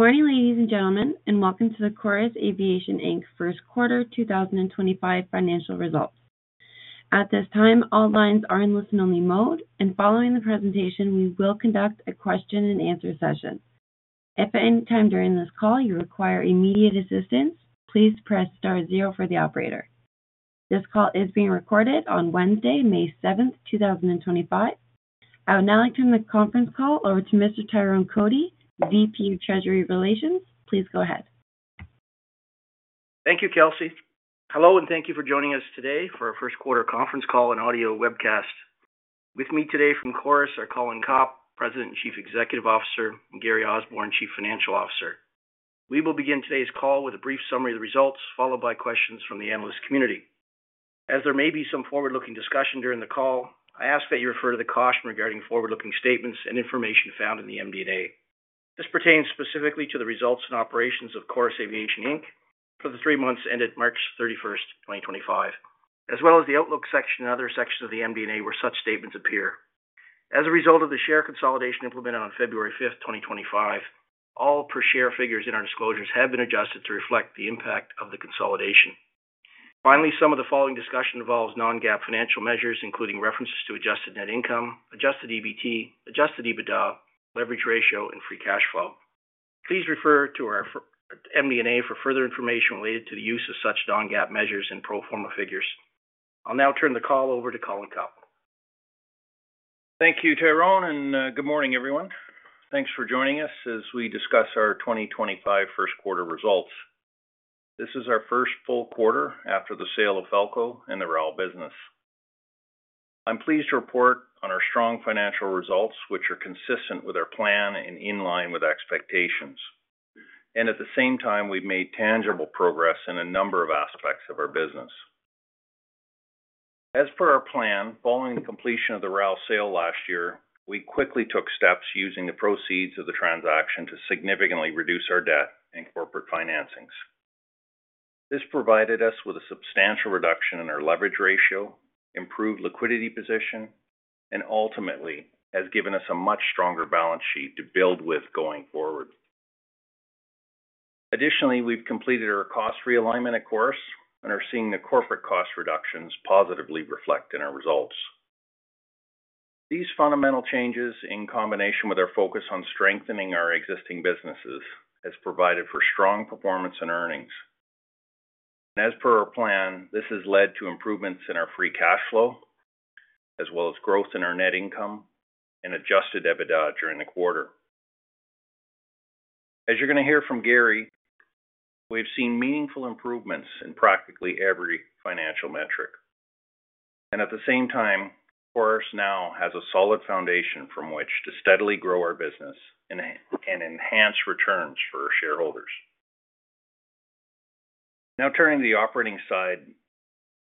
Good morning, ladies and gentlemen, and welcome to the Chorus Aviation Inc First Quarter 2025 financial results. At this time, all lines are in listen-only mode, and following the presentation, we will conduct a question-and-answer session. If at any time during this call you require immediate assistance, please press star zero for the operator. This call is being recorded on Wednesday, May 7, 2025. I will now turn the conference call over to Mr. Tyrone Cotie, VP of Treasury Relations. Please go ahead. Thank you, Chelsey. Hello, and thank you for joining us today for our First Quarter Conference Call and audio webcast. With me today from Chorus are Colin Copp, President and Chief Executive Officer, and Gary Osborne, Chief Financial Officer. We will begin today's call with a brief summary of the results, followed by questions from the analyst community. As there may be some forward-looking discussion during the call, I ask that you refer to the caution regarding forward-looking statements and information found in the MD&A. This pertains specifically to the results and operations of Chorus Aviation Inc for the three months ended March 31, 2025, as well as the outlook section and other sections of the MD&A where such statements appear. As a result of the share consolidation implemented on February 5, 2025, all per-share figures in our disclosures have been adjusted to reflect the impact of the consolidation. Finally, some of the following discussion involves non-GAAP financial measures, including references to adjusted net income, adjusted EBT, adjusted EBITDA, leverage ratio, and free cash flow. Please refer to our MD&A for further information related to the use of such non-GAAP measures and pro forma figures. I'll now turn the call over to Colin Copp. Thank you, Tyrone, and good morning, everyone. Thanks for joining us as we discuss our 2025 first quarter results. This is our first full quarter after the sale of Falko and the RAL business. I'm pleased to report on our strong financial results, which are consistent with our plan and in line with expectations. At the same time, we've made tangible progress in a number of aspects of our business. As per our plan, following the completion of the RAL sale last year, we quickly took steps using the proceeds of the transaction to significantly reduce our debt and corporate financings. This provided us with a substantial reduction in our leverage ratio, improved liquidity position, and ultimately has given us a much stronger balance sheet to build with going forward. Additionally, we've completed our cost realignment, of course, and are seeing the corporate cost reductions positively reflect in our results. These fundamental changes, in combination with our focus on strengthening our existing businesses, have provided for strong performance and earnings. As per our plan, this has led to improvements in our free cash flow, as well as growth in our net income and adjusted EBITDA during the quarter. As you're going to hear from Gary, we've seen meaningful improvements in practically every financial metric. At the same time, Chorus now has a solid foundation from which to steadily grow our business and enhance returns for our shareholders. Now, turning to the operating side,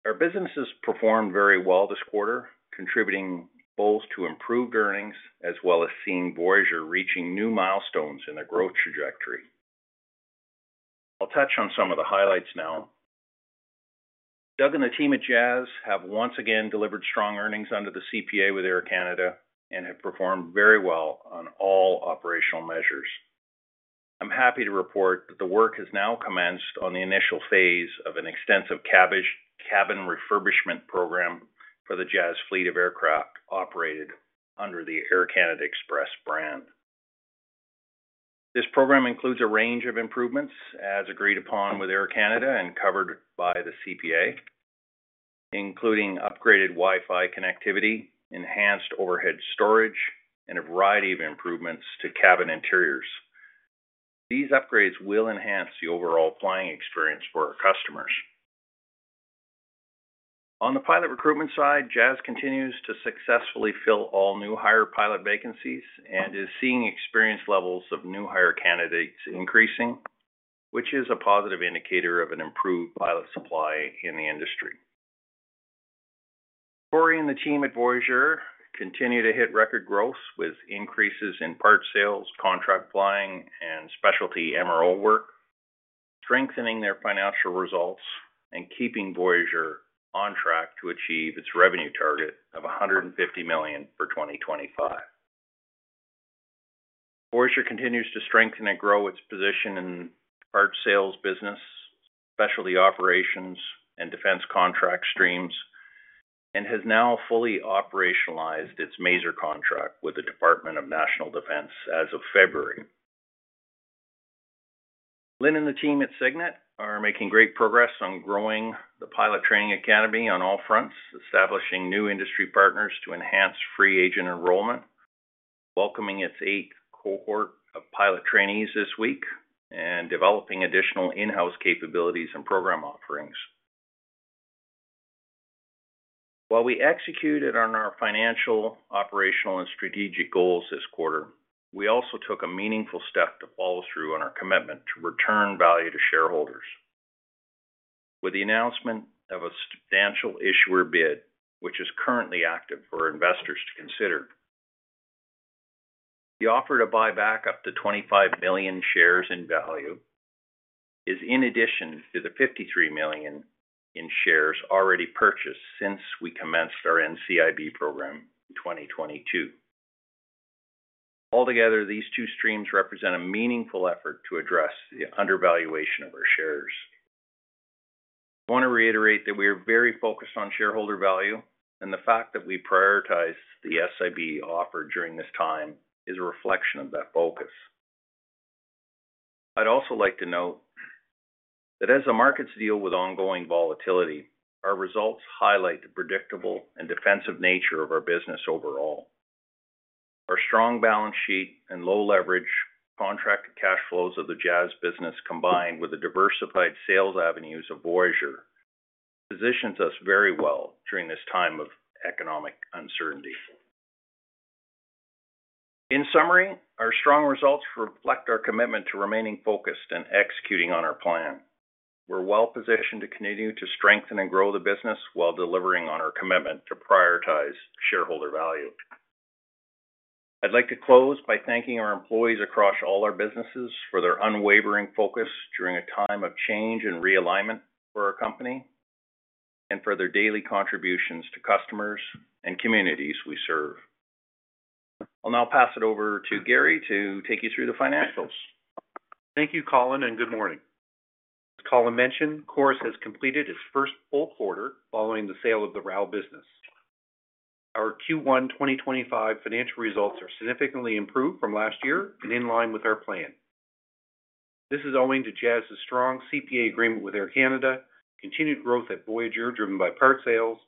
our business has performed very well this quarter, contributing both to improved earnings as well as seeing Voyageur reaching new milestones in their growth trajectory. I'll touch on some of the highlights now. Doug and the team at Jazz have once again delivered strong earnings under the CPA with Air Canada and have performed very well on all operational measures. I'm happy to report that the work has now commenced on the initial phase of an extensive cabin refurbishment program for the Jazz fleet of aircraft operated under the Air Canada Express brand. This program includes a range of improvements, as agreed upon with Air Canada and covered by the CPA, including upgraded Wi-Fi connectivity, enhanced overhead storage, and a variety of improvements to cabin interiors. These upgrades will enhance the overall flying experience for our customers. On the pilot recruitment side, Jazz continues to successfully fill all new hire pilot vacancies and is seeing experience levels of new hire candidates increasing, which is a positive indicator of an improved pilot supply in the industry. Cory and the team at Voyageur continue to hit record growth with increases in part sales, contract flying, and specialty MRO work, strengthening their financial results and keeping Voyageur on track to achieve its revenue target of 150 million for 2025. Voyageur continues to strengthen and grow its position in part sales business, specialty operations, and defense contract streams, and has now fully operationalized its major contract with the Department of National Defence as of February. Lynne and the team at Cygnet are making great progress on growing the pilot training academy on all fronts, establishing new industry partners to enhance free agent enrollment, welcoming its eighth cohort of pilot trainees this week, and developing additional in-house capabilities and program offerings. While we executed on our financial, operational, and strategic goals this quarter, we also took a meaningful step to follow through on our commitment to return value to shareholders with the announcement of a Substantial Issuer Bid, which is currently active for investors to consider. The offer to buy back up to 25 million in value is in addition to the 53 million in shares already purchased since we commenced our NCIB program in 2022. Altogether, these two streams represent a meaningful effort to address the undervaluation of our shares. I want to reiterate that we are very focused on shareholder value, and the fact that we prioritize the SIB offer during this time is a reflection of that focus. I would also like to note that as the markets deal with ongoing volatility, our results highlight the predictable and defensive nature of our business overall. Our strong balance sheet and low leverage contract cash flows of the Jazz business, combined with the diversified sales avenues of Voyageur, positions us very well during this time of economic uncertainty. In summary, our strong results reflect our commitment to remaining focused and executing on our plan. We're well positioned to continue to strengthen and grow the business while delivering on our commitment to prioritize shareholder value. I'd like to close by thanking our employees across all our businesses for their unwavering focus during a time of change and realignment for our company and for their daily contributions to customers and communities we serve. I'll now pass it over to Gary to take you through the financials. Thank you, Colin, and good morning. As Colin mentioned, Chorus has completed its first full quarter following the sale of the RAL business. Our Q1 2025 financial results are significantly improved from last year and in line with our plan. This is owing to Jazz's strong CPA agreement with Air Canada, continued growth at Voyageur driven by part sales,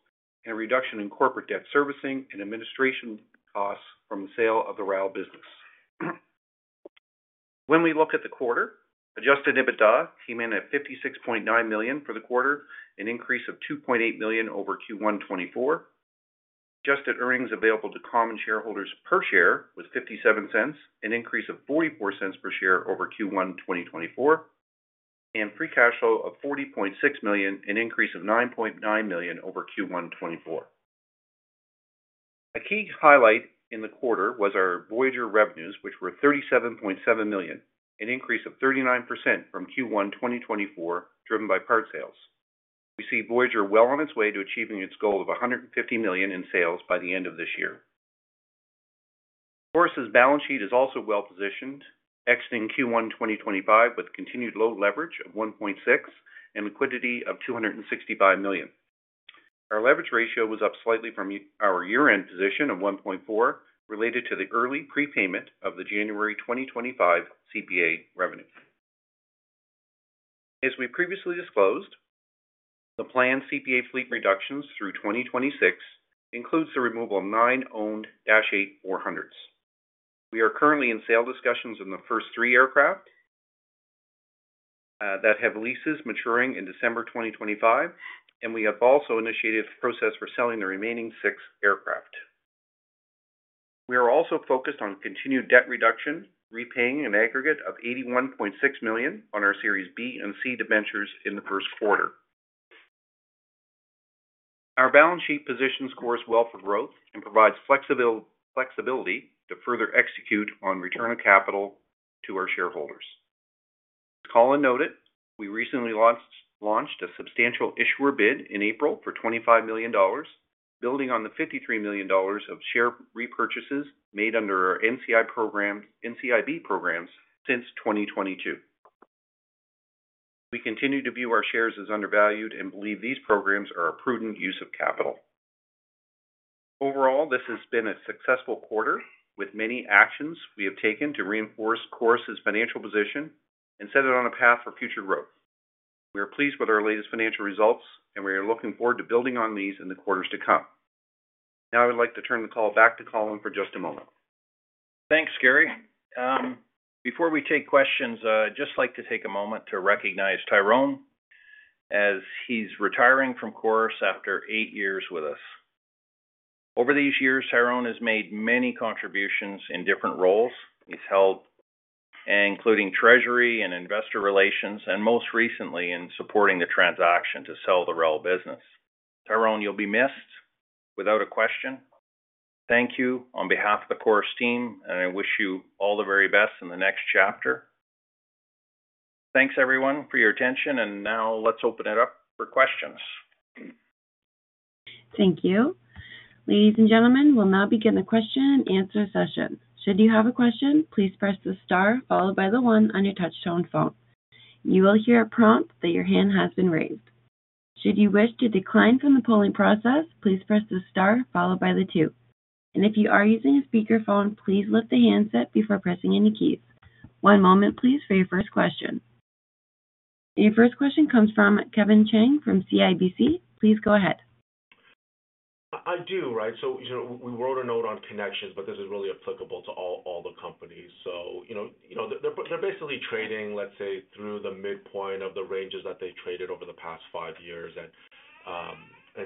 and a reduction in corporate debt servicing and administration costs from the sale of the RAL business. When we look at the quarter, adjusted EBITDA came in at 56.9 million for the quarter, an increase of 2.8 million over Q1 2024. Adjusted earnings available to common shareholders per share was 0.57, an increase of 0.44 per share over Q1 2024, and free cash flow of 40.6 million, an increase of 9.9 million over Q1 2024. A key highlight in the quarter was our Voyageur revenues, which were 37.7 million, an increase of 39% from Q1 2024 driven by part sales. We see Voyageur well on its way to achieving its goal of 150 million in sales by the end of this year. Chorus's balance sheet is also well positioned, exiting Q1 2025 with continued low leverage of 1.6 and liquidity of 265 million. Our leverage ratio was up slightly from our year-end position of 1.4, related to the early prepayment of the January 2025 CPA revenues. As we previously disclosed, the planned CPA fleet reductions through 2026 include the removal of nine owned Dash 8-400s. We are currently in sale discussions on the first three aircraft that have leases maturing in December 2025, and we have also initiated the process for selling the remaining six aircraft. We are also focused on continued debt reduction, repaying an aggregate of 81.6 million on our Series B and C debentures in the first quarter. Our balance sheet position scores well for growth and provides flexibility to further execute on return of capital to our shareholders. As Colin noted, we recently launched a Substantial Issuer Bid in April for 25 million dollars, building on the 53 million dollars of share repurchases made under our NCIB programs since 2022. We continue to view our shares as undervalued and believe these programs are a prudent use of capital. Overall, this has been a successful quarter with many actions we have taken to reinforce Chorus's financial position and set it on a path for future growth. We are pleased with our latest financial results, and we are looking forward to building on these in the quarters to come. Now, I would like to turn the call back to Colin for just a moment. Thanks, Gary. Before we take questions, I'd just like to take a moment to recognize Tyrone as he's retiring from Chorus after eight years with us. Over these years, Tyrone has made many contributions in different roles he's held, including treasury and investor relations, and most recently in supporting the transaction to sell the RAL business. Tyrone, you'll be missed without a question. Thank you on behalf of the Chorus team, and I wish you all the very best in the next chapter. Thanks, everyone, for your attention. Now, let's open it up for questions. Thank you. Ladies and gentlemen, we'll now begin the question and answer session. Should you have a question, please press the star followed by the one on your touch-tone phone. You will hear a prompt that your hand has been raised. Should you wish to decline from the polling process, please press the star followed by the two. If you are using a speakerphone, please lift the handset before pressing any keys. One moment, please, for your first question. Your first question comes from Kevin Chiang from CIBC. Please go ahead. I do, right? We wrote a note on connections, but this is really applicable to all the companies. They are basically trading, let's say, through the midpoint of the ranges that they traded over the past five years. Hi,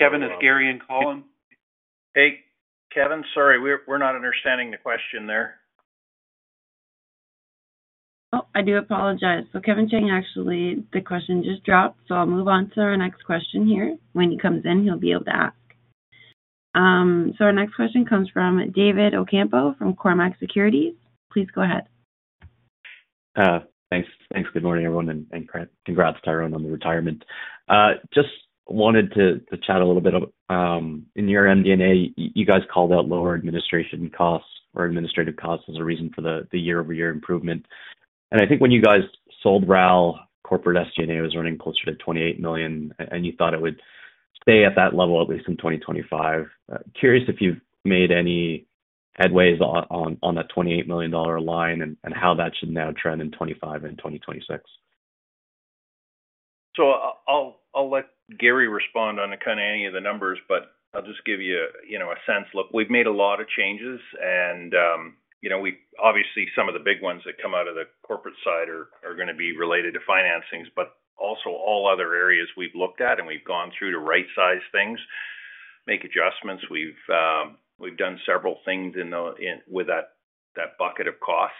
Kevin. It's Gary and Colin. Hey, Kevin, sorry. We're not understanding the question there. Oh, I do apologize. Kevin Chiang, actually, the question just dropped, so I'll move on to our next question here. When he comes in, he'll be able to ask. Our next question comes from David Ocampo from Cormark Securities. Please go ahead. Thanks. Good morning, everyone, and congrats, Tyrone, on the retirement. Just wanted to chat a little bit. In your MD&A, you guys called out lower administration costs or administrative costs as a reason for the year-over-year improvement. I think when you guys sold RAL, corporate SG&A was running closer to 28 million, and you thought it would stay at that level at least in 2025. Curious if you've made any headways on that 28 million dollar line and how that should now trend in 2025 and 2026? I'll let Gary respond on kind of any of the numbers, but I'll just give you a sense. Look, we've made a lot of changes, and obviously, some of the big ones that come out of the corporate side are going to be related to financings, but also all other areas we've looked at and we've gone through to right-size things, make adjustments. We've done several things with that bucket of costs.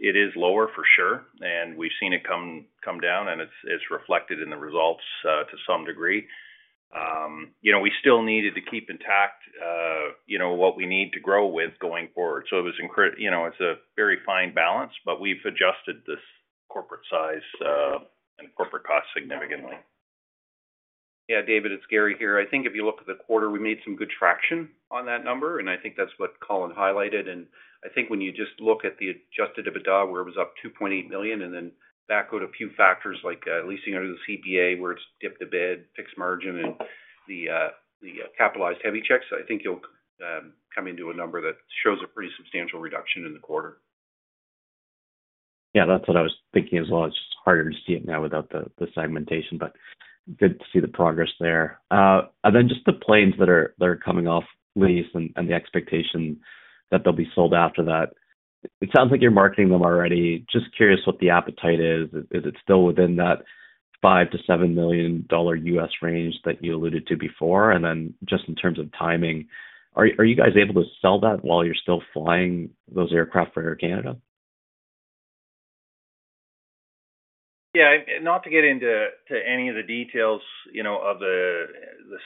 It is lower, for sure, and we've seen it come down, and it's reflected in the results to some degree. We still needed to keep intact what we need to grow with going forward. It's a very fine balance, but we've adjusted this corporate size and corporate cost significantly. Yeah, David, it's Gary here. I think if you look at the quarter, we made some good traction on that number, and I think that's what Colin highlighted. I think when you just look at the adjusted EBITDA, where it was up 2.8 million and then backward a few factors like leasing under the CPA, where it's dipped a bit, fixed margin, and the capitalized heavy checks, I think you'll come into a number that shows a pretty substantial reduction in the quarter. Yeah, that's what I was thinking as well. It's just harder to see it now without the segmentation, but good to see the progress there. Just the planes that are coming off lease and the expectation that they'll be sold after that. It sounds like you're marketing them already. Just curious what the appetite is. Is it still within that 5 - 7 million dollar US range that you alluded to before? Just in terms of timing, are you guys able to sell that while you're still flying those aircraft for Air Canada? Yeah, not to get into any of the details of the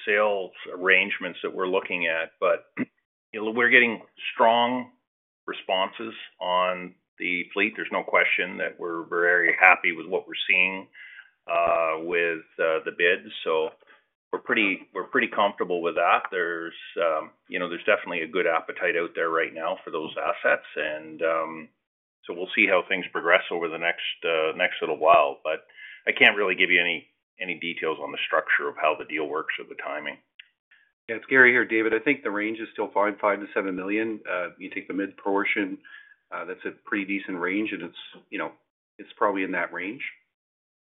sales arrangements that we're looking at, but we're getting strong responses on the fleet. There's no question that we're very happy with what we're seeing with the bids. So we're pretty comfortable with that. There's definitely a good appetite out there right now for those assets. We'll see how things progress over the next little while, but I can't really give you any details on the structure of how the deal works or the timing. Yeah, it's Gary here, David. I think the range is still fine, 5 - 7 million. You take the mid portion, that's a pretty decent range, and it's probably in that range.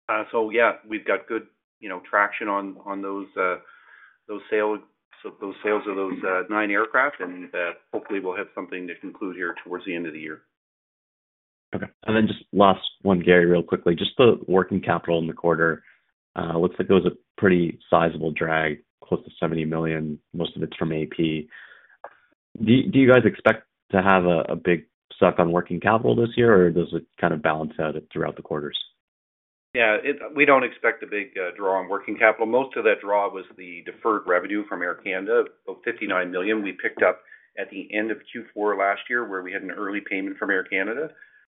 Yeah, we've got good traction on those sales of those nine aircraft, and hopefully, we'll have something to conclude here towards the end of the year. Okay. And then just last one, Gary, real quickly. Just the working capital in the quarter, looks like it was a pretty sizable drag, close to 70 million, most of it from AP. Do you guys expect to have a big suck on working capital this year, or does it kind of balance out throughout the quarters? Yeah, we do not expect a big draw on working capital. Most of that draw was the deferred revenue from Air Canada, about 59 million. We picked up at the end of Q4 last year where we had an early payment from Air Canada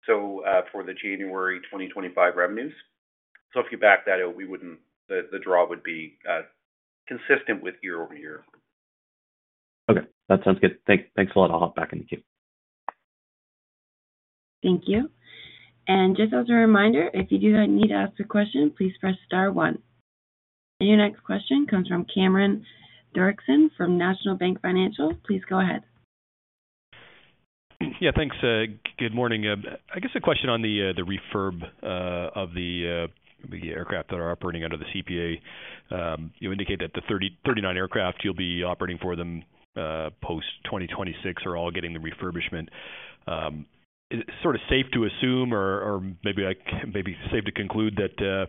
for the January 2025 revenues. If you back that out, the draw would be consistent with year-over-year. Okay. That sounds good. Thanks a lot. I'll hop back in the queue. Thank you. Just as a reminder, if you do need to ask a question, please press star one. Your next question comes from Cameron Doerksen from National Bank Financial. Please go ahead. Yeah, thanks. Good morning. I guess a question on the refurb of the aircraft that are operating under the CPA. You indicate that the 39 aircraft you'll be operating for them post-2026 are all getting the refurbishment. Is it sort of safe to assume, or maybe safe to conclude that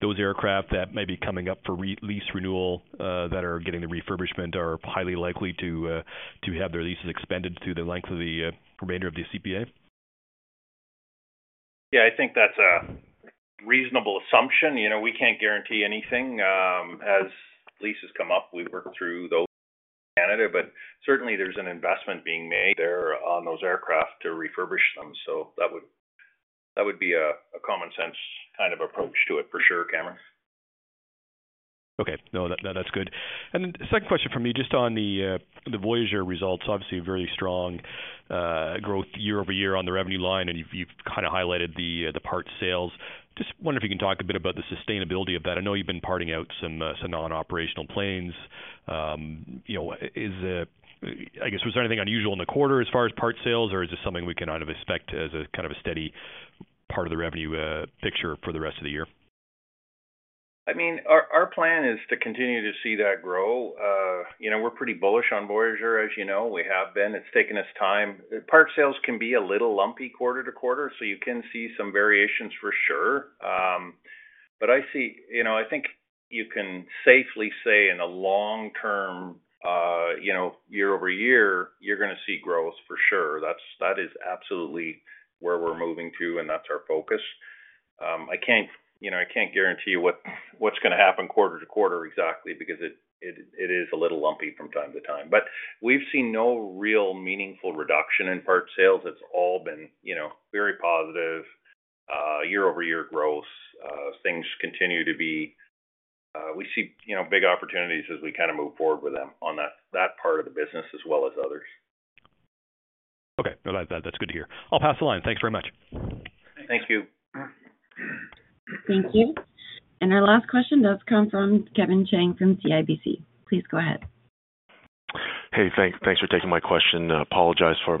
those aircraft that may be coming up for lease renewal that are getting the refurbishment are highly likely to have their leases expanded through the length of the remainder of the CPA? Yeah, I think that's a reasonable assumption. We can't guarantee anything. As leases come up, we work through those with Air Canada, but certainly, there's an investment being made there on those aircraft to refurbish them. That would be a common-sense kind of approach to it, for sure, Cameron. Okay. No, that's good. Then second question from me, just on the Voyageur results. Obviously, very strong growth year-over-year on the revenue line, and you've kind of highlighted the part sales. Just wondering if you can talk a bit about the sustainability of that. I know you've been parting out some non-operational planes. I guess, was there anything unusual in the quarter as far as part sales, or is this something we can kind of expect as a kind of a steady part of the revenue picture for the rest of the year? I mean, our plan is to continue to see that grow. We're pretty bullish on Voyageur, as you know. We have been. It's taken us time. Part sales can be a little lumpy quarter to quarter, so you can see some variations for sure. I think you can safely say in the long term, year-over-year, you're going to see growth for sure. That is absolutely where we're moving to, and that's our focus. I can't guarantee you what's going to happen quarter to quarter exactly because it is a little lumpy from time to time. We've seen no real meaningful reduction in part sales. It's all been very positive, year-over-year growth. Things continue to be, we see big opportunities as we kind of move forward with them on that part of the business as well as others. Okay. No, that's good to hear. I'll pass the line. Thanks very much. Thank you. Thank you. Our last question does come from Kevin Chiang from CIBC. Please go ahead. Hey, thanks for taking my question. Apologize for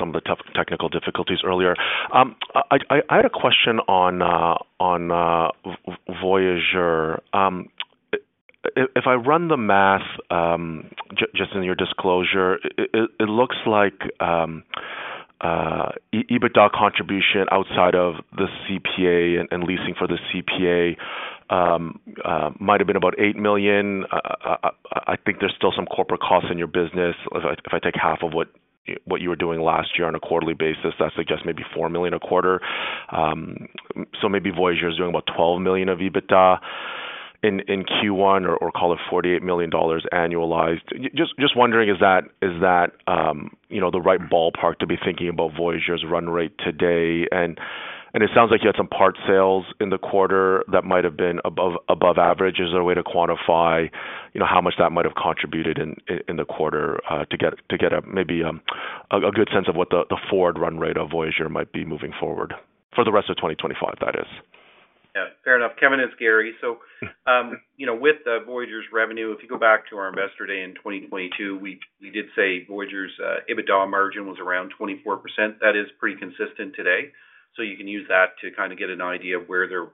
some of the technical difficulties earlier. I had a question on Voyageur. If I run the math just in your disclosure, it looks like EBITDA contribution outside of the CPA and leasing for the CPA might have been about 8 million. I think there's still some corporate costs in your business. If I take half of what you were doing last year on a quarterly basis, that suggests maybe 4 million a quarter. So maybe Voyageur is doing about 12 million of EBITDA in Q1, or call it 48 million dollars annualized. Just wondering, is that the right ballpark to be thinking about Voyageur's run rate today? It sounds like you had some part sales in the quarter that might have been above average. Is there a way to quantify how much that might have contributed in the quarter to get maybe a good sense of what the forward run rate of Voyageur might be moving forward for the rest of 2025, that is? Yeah. Fair enough. Kevin, it is Gary. With Voyageur's revenue, if you go back to our investor day in 2022, we did say Voyageur's EBITDA margin was around 24%. That is pretty consistent today. You can use that to kind of get an idea of where their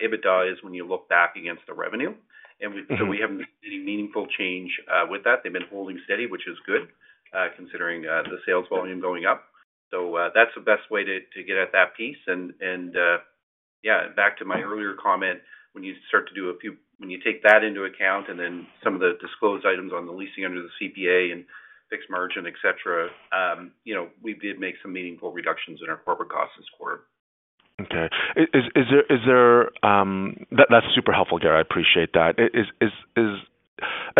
EBITDA is when you look back against the revenue. We have not seen any meaningful change with that. They have been holding steady, which is good considering the sales volume going up. That is the best way to get at that piece. Back to my earlier comment, when you start to do a few—when you take that into account and then some of the disclosed items on the leasing under the CPA and fixed margin, etc., we did make some meaningful reductions in our corporate costs this quarter. Okay. That's super helpful, Gary. I appreciate that.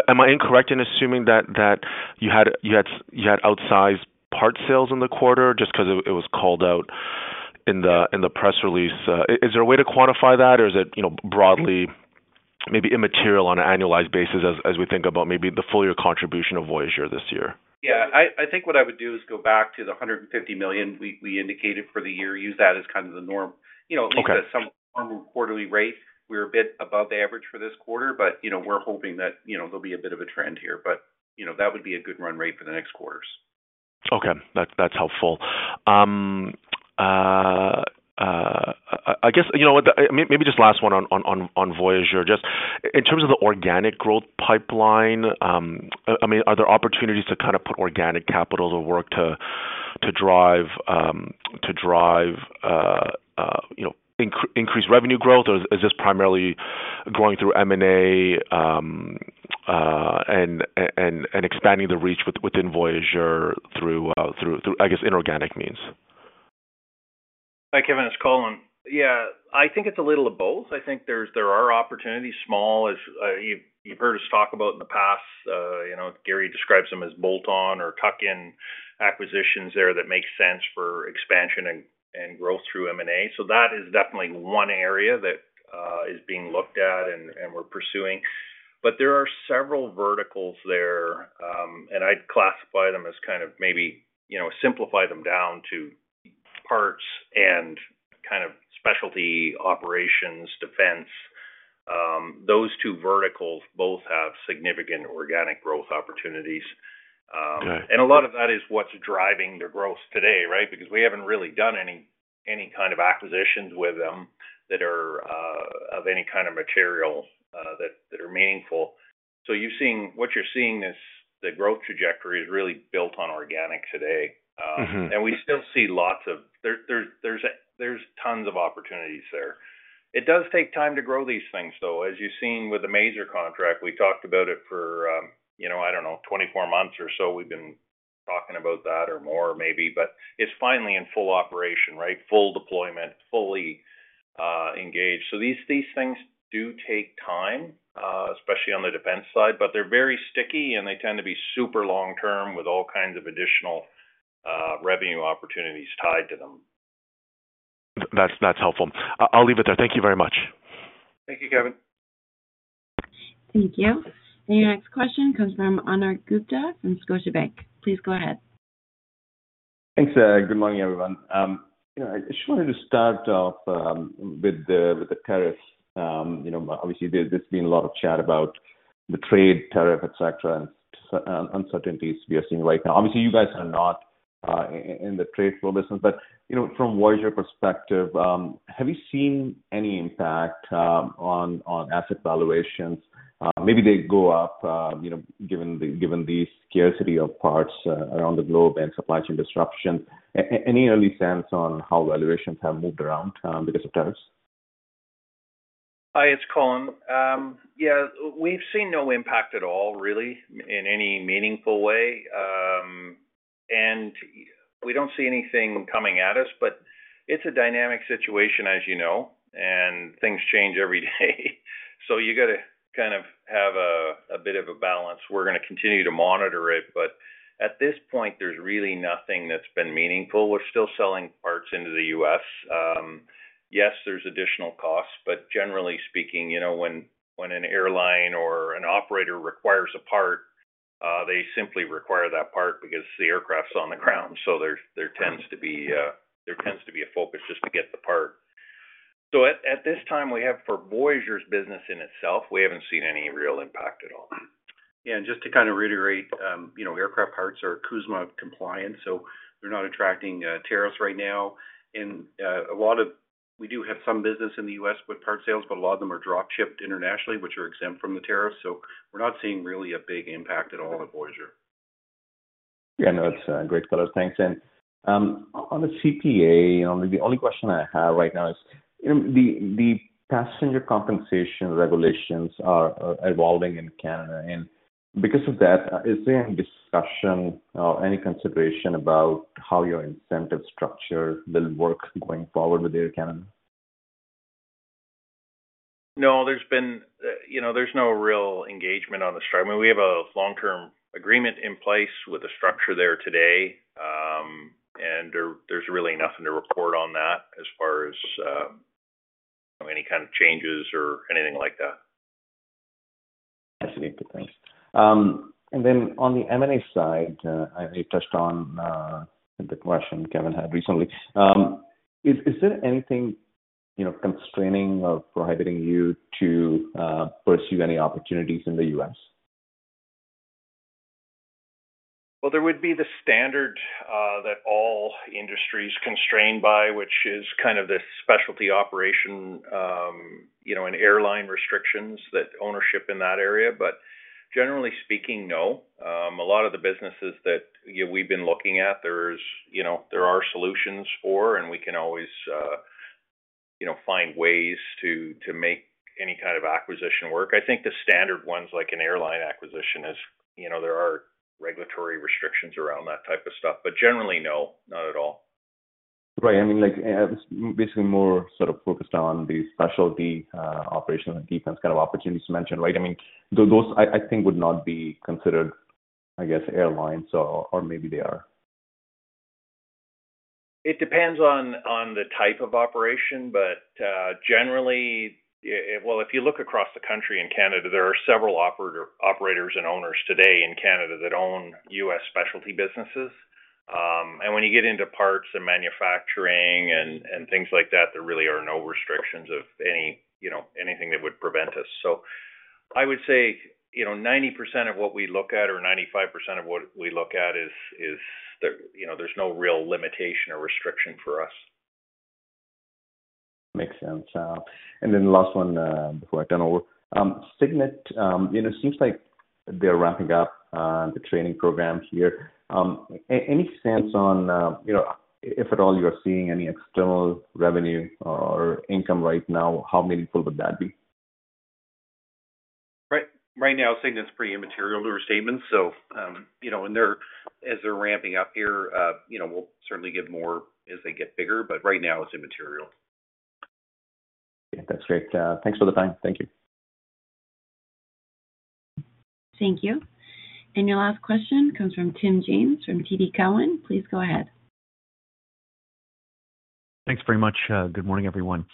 Am I incorrect in assuming that you had outsized part sales in the quarter just because it was called out in the press release? Is there a way to quantify that, or is it broadly maybe immaterial on an annualized basis as we think about maybe the full year contribution of Voyageur this year? Yeah. I think what I would do is go back to the 150 million we indicated for the year, use that as kind of the norm. At least at some quarterly rate, we're a bit above average for this quarter, but we're hoping that there'll be a bit of a trend here. That would be a good run rate for the next quarters. Okay. That's helpful. I guess maybe just last one on Voyageur. Just in terms of the organic growth pipeline, I mean, are there opportunities to kind of put organic capital to work to drive increased revenue growth, or is this primarily growing through M&A and expanding the reach within Voyageur through, I guess, inorganic means? Hi, Kevin. It's Colin. Yeah. I think it's a little of both. I think there are opportunities. Small, as you've heard us talk about in the past, Gary describes them as bolt-on or tuck-in acquisitions there that make sense for expansion and growth through M&A. That is definitely one area that is being looked at and we're pursuing. There are several verticals there, and I'd classify them as kind of maybe simplify them down to parts and kind of specialty operations, defense. Those two verticals both have significant organic growth opportunities. A lot of that is what's driving the growth today, right? Because we haven't really done any kind of acquisitions with them that are of any kind of material that are meaningful. What you're seeing is the growth trajectory is really built on organic today. We still see lots of—there's tons of opportunities there. It does take time to grow these things, though. As you've seen with the major contract, we talked about it for, I don't know, 24 months or so. We've been talking about that or more maybe, but it's finally in full operation, right? Full deployment, fully engaged. These things do take time, especially on the defense side, but they're very sticky, and they tend to be super long-term with all kinds of additional revenue opportunities tied to them. That's helpful. I'll leave it there. Thank you very much. Thank you, Kevin. Thank you. Your next question comes from Konark Gupta from Scotiabank. Please go ahead. Thanks. Good morning, everyone. I just wanted to start off with the tariffs. Obviously, there's been a lot of chat about the trade tariff, etc., and uncertainties we are seeing right now. Obviously, you guys are not in the trade flow business, but from Voyageur perspective, have you seen any impact on asset valuations? Maybe they go up given the scarcity of parts around the globe and supply chain disruption. Any early sense on how valuations have moved around because of tariffs? Hi, it's Colin. Yeah, we've seen no impact at all, really, in any meaningful way. We do not see anything coming at us, but it's a dynamic situation, as you know, and things change every day. You have to kind of have a bit of a balance. We are going to continue to monitor it, but at this point, there's really nothing that's been meaningful. We are still selling parts into the U.S. Yes, there are additional costs, but generally speaking, when an airline or an operator requires a part, they simply require that part because the aircraft is on the ground. There tends to be a focus just to get the part. At this time, for Voyageur's business in itself, we have not seen any real impact at all. Yeah. Just to kind of reiterate, aircraft parts are CUSMA compliant, so they're not attracting tariffs right now. We do have some business in the US with part sales, but a lot of them are drop-shipped internationally, which are exempt from the tariffs. We're not seeing really a big impact at all at Voyageur. Yeah, no, that's great clarification. Thanks. On the CPA, the only question I have right now is the passenger compensation regulations are evolving in Canada. Because of that, is there any discussion or any consideration about how your incentive structure will work going forward with Air Canada? No, there's been—there's no real engagement on the structure. I mean, we have a long-term agreement in place with the structure there today, and there's really nothing to report on that as far as any kind of changes or anything like that. Absolutely. Thanks. Then on the M&A side, I know you touched on the question Kevin had recently. Is there anything constraining or prohibiting you to pursue any opportunities in the U.S.? There would be the standard that all industries are constrained by, which is kind of the specialty operation and airline restrictions, that ownership in that area. Generally speaking, no. A lot of the businesses that we've been looking at, there are solutions for, and we can always find ways to make any kind of acquisition work. I think the standard ones, like an airline acquisition, there are regulatory restrictions around that type of stuff. Generally, no, not at all. Right. I mean, basically more sort of focused on the specialty operations and defense kind of opportunities you mentioned, right? I mean, those I think would not be considered, I guess, airlines, or maybe they are. It depends on the type of operation, but generally, if you look across the country in Canada, there are several operators and owners today in Canada that own U.S. specialty businesses. When you get into parts and manufacturing and things like that, there really are no restrictions of anything that would prevent us. I would say 90% of what we look at or 95% of what we look at is there's no real limitation or restriction for us. Makes sense. The last one before I turn over. Cygnet, it seems like they're wrapping up the training program here. Any sense on if at all you're seeing any external revenue or income right now? How meaningful would that be? Right now, Cygnet's pretty immaterial to our statements. So as they're ramping up here, we'll certainly give more as they get bigger, but right now, it's immaterial. Okay. That's great. Thanks for the time. Thank you. Thank you. Your last question comes from [Tim James] from TD Cowen. Please go ahead. Thanks very much. Good morning, everyone.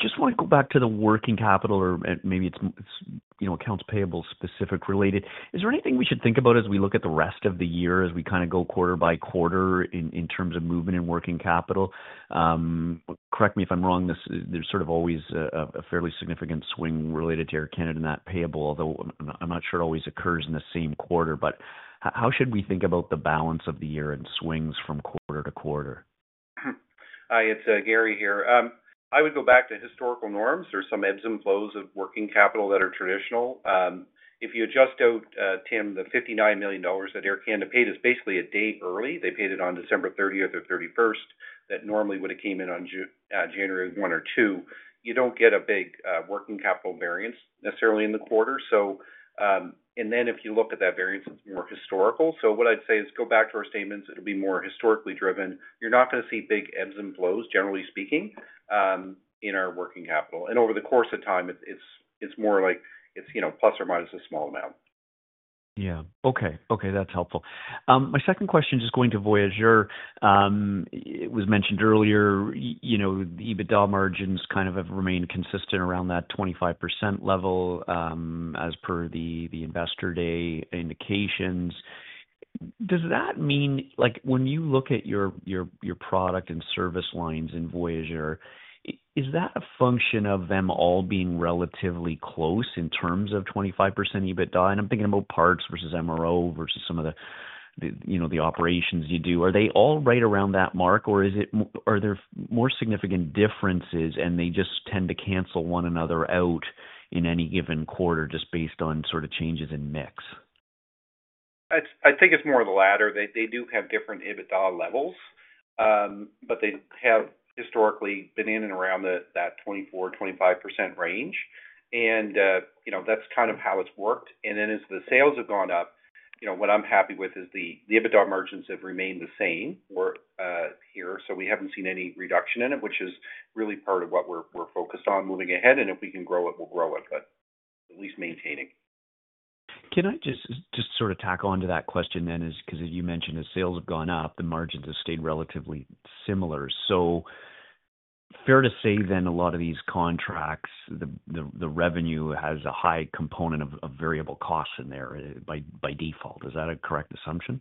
Just want to go back to the working capital, or maybe it's accounts payable specific related. Is there anything we should think about as we look at the rest of the year, as we kind of go quarter by quarter in terms of movement in working capital? Correct me if I'm wrong. There's sort of always a fairly significant swing related to Air Canada in that payable, although I'm not sure it always occurs in the same quarter. How should we think about the balance of the year and swings from quarter to quarter? Hi, it's Gary here. I would go back to historical norms. There are some ebbs and flows of working capital that are traditional. If you adjust out, Tim, the 59 million dollars that Air Canada paid is basically a day early. They paid it on December 30 or 31 that normally would have come in on January 1 or 2. You do not get a big working capital variance necessarily in the quarter. If you look at that variance, it is more historical. What I would say is go back to our statements. It will be more historically driven. You are not going to see big ebbs and flows, generally speaking, in our working capital. Over the course of time, it is more like it is plus or minus a small amount. Yeah. Okay. Okay. That's helpful. My second question is just going to Voyageur. It was mentioned earlier, the EBITDA margins kind of have remained consistent around that 25% level as per the investor day indications. Does that mean when you look at your product and service lines in Voyageur, is that a function of them all being relatively close in terms of 25% EBITDA? And I'm thinking about parts versus MRO versus some of the operations you do. Are they all right around that mark, or are there more significant differences, and they just tend to cancel one another out in any given quarter just based on sort of changes in mix? I think it's more of the latter. They do have different EBITDA levels, but they have historically been in and around that 24% - 25% range. That's kind of how it's worked. As the sales have gone up, what I'm happy with is the EBITDA margins have remained the same here. We haven't seen any reduction in it, which is really part of what we're focused on moving ahead. If we can grow it, we'll grow it, but at least maintaining. Can I just sort of tackle on to that question then? Because you mentioned the sales have gone up, the margins have stayed relatively similar. So fair to say then a lot of these contracts, the revenue has a high component of variable costs in there by default. Is that a correct assumption?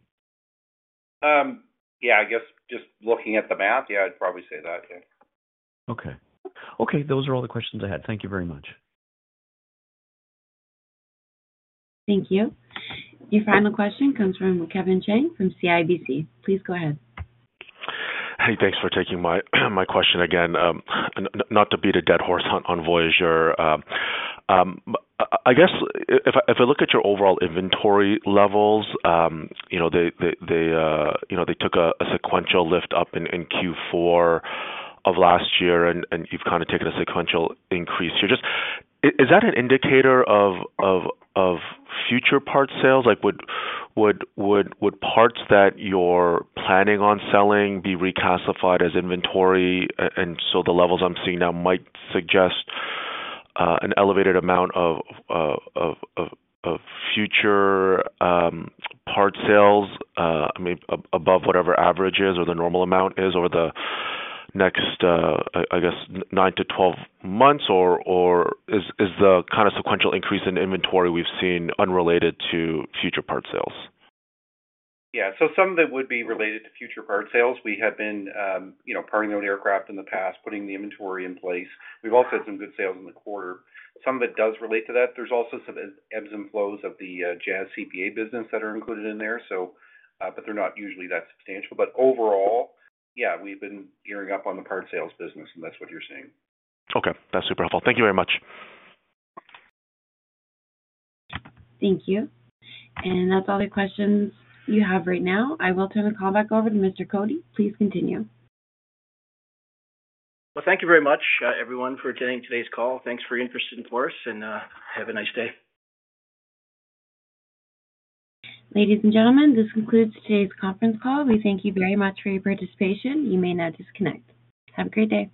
Yeah. I guess just looking at the math, yeah, I'd probably say that, yeah. Okay. Okay. Those are all the questions I had. Thank you very much. Thank you. Your final question comes from Kevin Chiang from CIBC. Please go ahead. Hey, thanks for taking my question again. Not to beat a dead horse on Voyageur. I guess if I look at your overall inventory levels, they took a sequential lift up in Q4 of last year, and you've kind of taken a sequential increase here. Is that an indicator of future part sales? Would parts that you're planning on selling be reclassified as inventory? And so the levels I'm seeing now might suggest an elevated amount of future part sales, I mean, above whatever average is or the normal amount is over the next, I guess, 9 to 12 months? Is the kind of sequential increase in inventory we've seen unrelated to future part sales? Yeah. Some of it would be related to future part sales. We have been parting out aircraft in the past, putting the inventory in place. We have also had some good sales in the quarter. Some of it does relate to that. There are also some ebbs and flows of the Jazz CPA business that are included in there, but they are not usually that substantial. Overall, we have been gearing up on the part sales business, and that is what you are seeing. Okay. That's super helpful. Thank you very much. Thank you. That is all the questions you have right now. I will turn the call back over to Mr. Cotie. Please continue. Thank you very much, everyone, for attending today's call. Thanks for your interest in Chorus, and have a nice day. Ladies and gentlemen, this concludes today's conference call. We thank you very much for your participation. You may now disconnect. Have a great day.